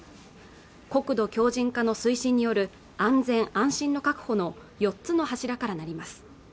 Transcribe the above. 国土強靭化の推進による安全安心の確保の４つの柱からなります